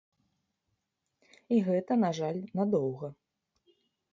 І гэта, на жаль, надоўга.